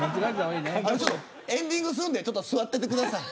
エンディングするんで座っててください。